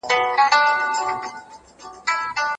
زه د ټولنیز نهادونو په اړه مختلف نظریات لولم.